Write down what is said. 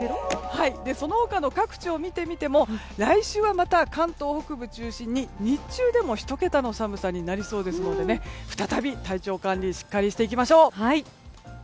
その他の各地を見てみても来週はまた関東北部を中心に日中でも１桁の寒さになりそうですので、再び体調管理しっかりしていきましょう。